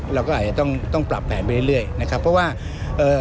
เราก็อาจจะต้องต้องปรับแผนไปเรื่อยนะครับเพราะว่าเอ่อ